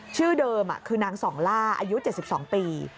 ชื่อเดิมคือนางส่องล่าอายุ๗๒ปี